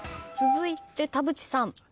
続いて田渕さん。